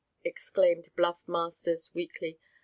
exclaimed Bluff Masters, weakly.